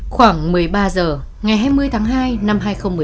khoảng một mươi ba h ngày hai mươi tháng hai năm hai nghìn một mươi chín